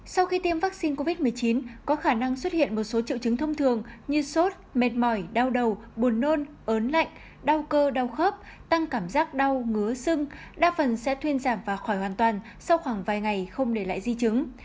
sau khi tiêm vaccine covid một mươi chín có khả năng xuất hiện một số triệu chứng thông thường như sốt mệt mỏi đau đầu buồn nôn ớn lạnh đau cơ đau khớp tăng cảm giác đau ngứa sưng đa phần sẽ thuyên giảm và khỏi hoàn toàn sau khoảng vài ngày không để lại di chứng